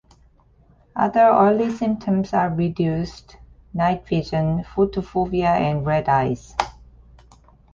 Other early symptoms are reduced night vision, photophobia and red eyes.